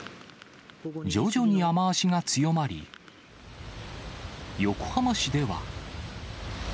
徐々に雨足が強まり、横浜市では。